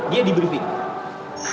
ini diberi pikir